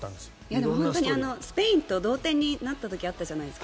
でもスペインと同点になった時あったじゃないですか。